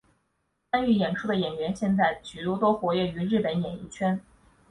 参与演出的演员现在许多都活跃于日本演艺圈。